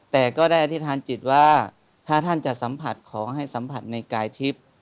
แต่ก็ได้อธิษฐานจิตว่าถ้าท่านจะสัมผัสขอให้สัมผัสในกายทิพย์